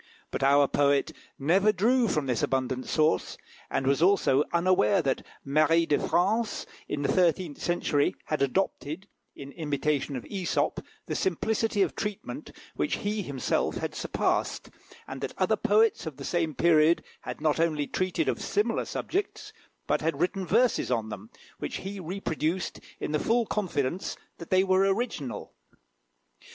But our poet never drew from this abundant source, and was also unaware that Marie de France in the thirteenth century had adopted, in imitation of Æsop, the simplicity of treatment which he himself had surpassed, and that other poets of the same period had not only treated of similar subjects, but had written verses on them, which he reproduced in the full confidence that they were original.